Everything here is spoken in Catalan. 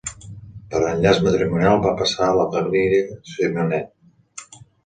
Per enllaç matrimonial va passar a la família Simonet.